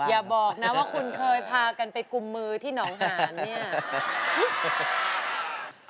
อย่าบอกนะว่าคุณเคยพากันไปกุมมือที่หนองหานเนี่ย